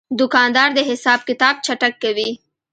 دوکاندار د حساب کتاب چټک کوي.